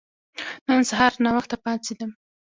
نن سهار ناوخته پاڅیدم.